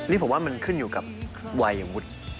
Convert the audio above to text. นี่ผมว่ามันขึ้นอยู่กับวัยวุฒิ